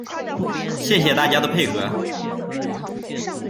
谢谢大家的配合